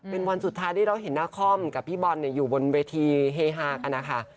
เป็นวันสุดท้ายที่เราเห็นนาคอมกับพี่บอลอยู่บนเวทีเฮฮากันนะคะ